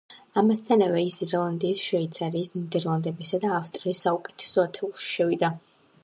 ამასთანავე ის ირლანდიის, შვეიცარიის, ნიდერლანდებისა და ავსტრიის საუკეთესო ათეულში შევიდა.